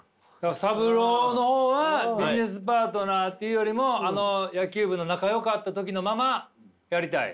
サブローの方はビジネスパートナーというよりもあの野球部の仲よかった時のままやりたい？